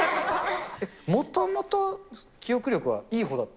もともと記憶力はいいほうだった？